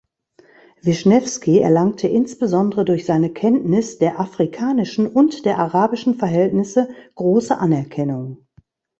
Wischnewski erlangte insbesondere durch seine Kenntnis der afrikanischen und der arabischen Verhältnisse große Anerkennung.